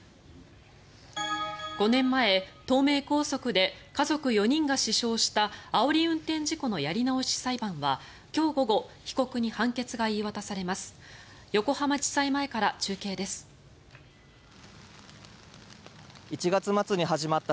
５年前、東名高速で家族４人が死傷したあおり運転事故のやり直し裁判は今日午後被告に判決が言い渡されます。